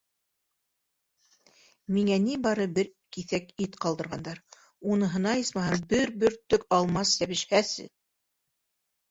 Миңә ни бары бер киҫәк ит ҡалдырғандар, уныһына, исмаһам, бер бөртөк алмас йәбешһәсе!